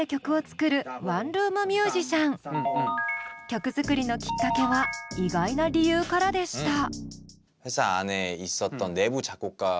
曲作りのきっかけは意外な理由からでした。